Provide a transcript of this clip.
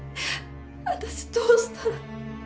私どうしたら